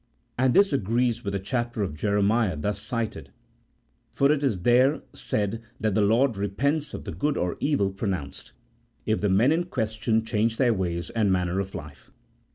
And this agrees with the chapter of Jeremiah just cited, for it is there said that the Lord repents of the good or the evil pronounced, if the men in question change their ways and manner of life.